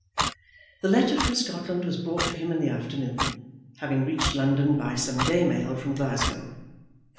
The letter from Scotland was brought to him in the afternoon, having reached London by some day mail from Glasgow.